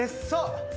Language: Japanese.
そう！